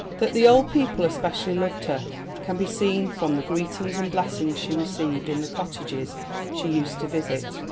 That the old people especially loved her can be seen from the greetings and blessings she received in the cottages she used to visit.